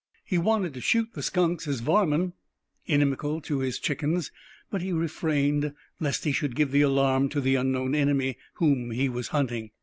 He wanted to shoot the skunks as "varmin," inimical to his chickens; but he refrained, lest he should give the alarm to the unknown enemy whom he was hunting.